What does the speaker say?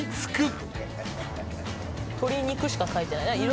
「鶏肉」しか書いてない。